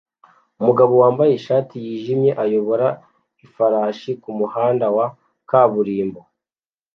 Umugabo wambaye ishati yijimye ayobora ifarashi kumuhanda wa kaburimbo